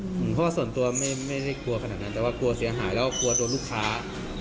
เพราะว่าส่วนตัวไม่ได้กลัวขนาดนั้นแต่ว่ากลัวเสียหายแล้วกลัวโดนลูกค้า